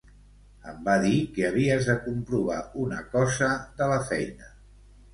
Em va dir que havies de comprovar una cosa de la feina.